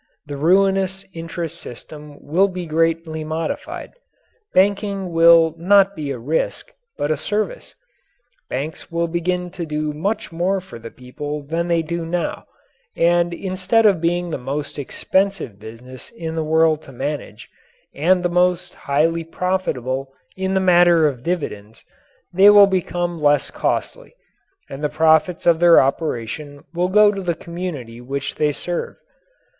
The ruinous interest system will be greatly modified. Banking will not be a risk, but a service. Banks will begin to do much more for the people than they do now, and instead of being the most expensive businesses in the world to manage, and the most highly profitable in the matter of dividends, they will become less costly, and the profits of their operation will go to the community which they serve.